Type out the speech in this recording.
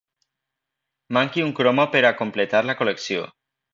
Manqui un cromo per a completar la col·lecció.